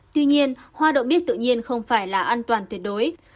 tuy nhiên hoa đậu bít tự nhiên không phải là an toàn tuyệt đối